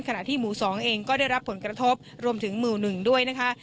ที่หมู่๒เองก็ได้รับผลกระทบรวมถึงหมู่๑ด้วยนะคะ